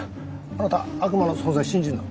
あなた悪魔の存在信じんの？